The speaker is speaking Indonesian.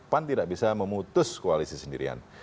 pan tidak bisa memutus koalisi sendirian